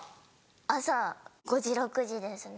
朝５時６時ですね。